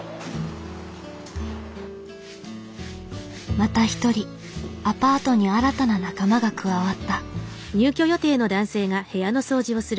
また一人アパートに新たな仲間が加わった。